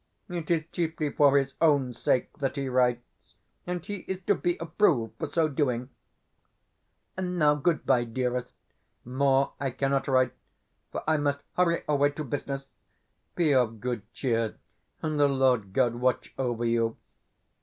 It is chiefly for his own sake that he writes, and he is to be approved for so doing. Now goodbye, dearest. More I cannot write, for I must hurry away to business. Be of good cheer, and the Lord God watch over you!